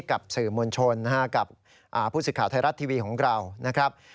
กับสื่อมวลชนกับผู้สื่อข่าวไทยรัฐทีวีของเรานะครับ